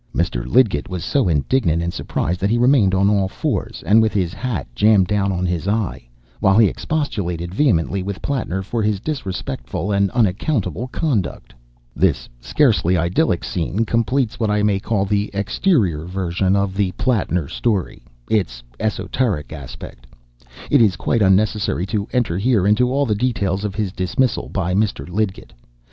Mr. Lidgett was so indignant and surprised that he remained on all fours, and with his hat jammed down on his eye, while he expostulated vehemently with Plattner for his disrespectful and unaccountable conduct. This scarcely idyllic scene completes what I may call the exterior version of the Plattner story its exoteric aspect. It is quite unnecessary to enter here into all the details of his dismissal by Mr. Lidgett.